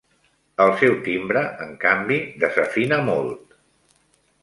El seu timbre, en canvi, desafina molt.